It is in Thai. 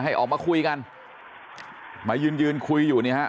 ให้ออกมาคุยกันมายืนยืนคุยอยู่เนี่ยฮะ